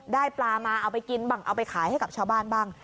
ได้ปลามาเอาไปกินบ้างเอาไปขายให้กับชาวบ้านบ้าง